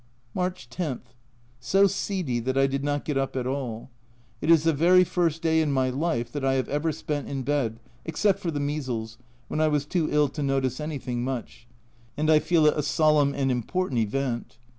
March 10. So seedy that I did not get up at all. It is the very first day in my life that I have ever spent in bed (except for the measles, when I was too ill to notice anything much), and I feel it a solemn and important event.